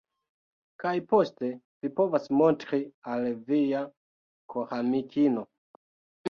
Kaj poste vi povas montri al via koramikino.